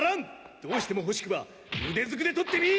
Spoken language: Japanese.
どうしても欲しくば腕ずくで取ってみい！